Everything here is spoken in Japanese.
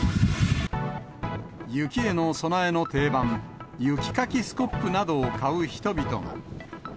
雪への備えの定番、雪かきスコップなどを買う人々が。